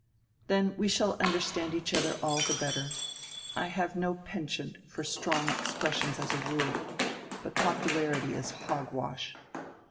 "Then we shall understand each other all the better. I have no penchant for strong expressions as a rule. But popularity is hog wash."